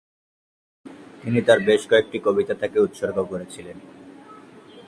তিনি তার বেশ কয়েকটি কবিতা তাকে উৎসর্গ করেছিলেন।